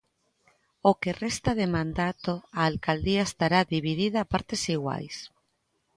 O que resta de mandato a Alcaldía estará dividida a partes iguais.